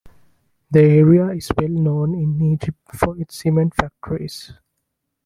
The area is well known in Egypt for its cement factories.